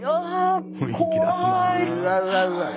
雰囲気出すな。